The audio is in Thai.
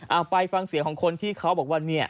เอาไปฟังเสียงของคนที่เขาบอกว่าเนี่ย